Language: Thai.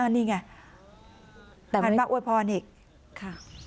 นี่ไงพันบันอุพรณิก